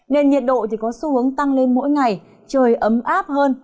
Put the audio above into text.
nên nhiệt độ có xu hướng tăng lên mỗi ngày trời ấm áp hơn